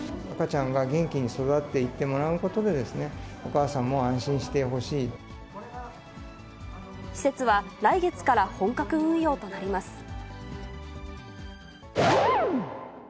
赤ちゃんが元気に育っていってもらうことでですね、お母さんも安施設は来月から本格運用となります。